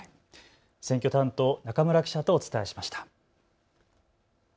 選挙担当、中村記者とお伝えしました。